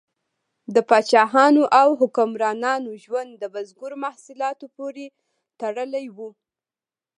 د پاچاهانو او حکمرانانو ژوند د بزګرو محصولاتو پورې تړلی و.